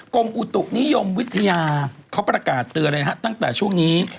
กรมอุตุนิยมวิทยาเขาประกาศเตือนเลยฮะตั้งแต่ช่วงนี้